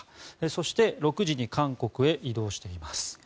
そして６時に韓国へ移動しています。